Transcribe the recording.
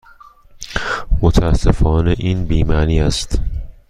متاسفانه این بی معنی است.